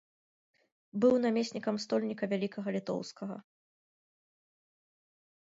Быў намеснікам стольніка вялікага літоўскага.